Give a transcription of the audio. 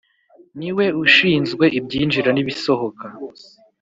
Niwe ushizwe ibyinjira nibisohoka